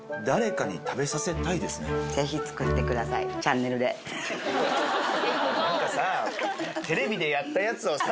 ぜひ作ってくださいなんかさテレビでやったやつをさ